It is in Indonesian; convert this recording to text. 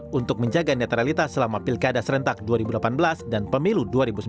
untuk menjaga netralitas selama pilkada serentak dua ribu delapan belas dan pemilu dua ribu sembilan belas